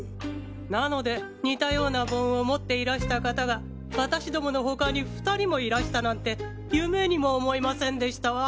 なので似たような盆を持っていらした方が私共の他に２人もいらしたなんて夢にも思いませんでしたわ。